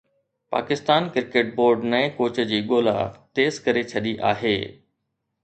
Pakistan cricket board نئين coach جي ڳولا تيز ڪري ڇڏي آهي